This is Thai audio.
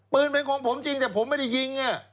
ปืนเป็นของผมจริงแต่ผมไม่ได้ยิง